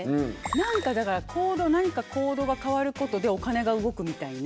なんかだから何か行動が変わることでお金が動くみたいな。